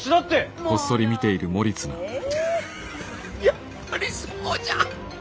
やっぱりそうじゃ！